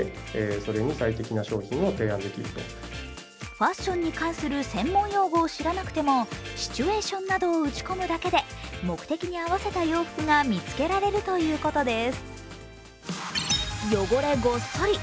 ファッションに関する専門用語を知らなくても、シチュエーションなどを打ち込むだけで目的に合わせた洋服が見つけられるということです。